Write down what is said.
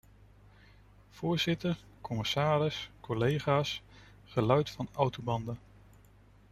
Voorzitter, commissaris, collega's, geluid van autobanden.